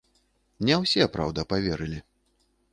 Не ўсе, праўда, паверылі.